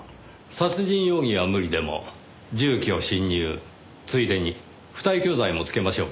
殺人容疑は無理でも住居侵入ついでに不退去罪も付けましょうか？